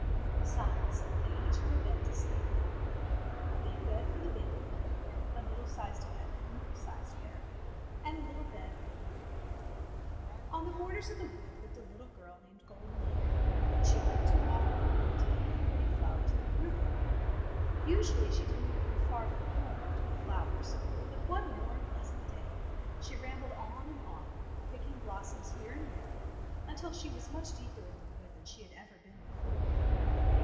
Besides, they each had a bed to sleep in — a big bed for the big bear, a middle sized bed for the middle sized bear, and a little bed for the little bear. 4 Fairy Tale Bears On the borders of the wood lived a little girl named Golden Hair, and she liked to walk in the wood to pick the pretty flowers that grew there. Usually she did not go far from home after the flowers, but one warm, pleasant day she rambled on and on, picking blossoms here and there, until she was much deeper in the wood than she had ever been before.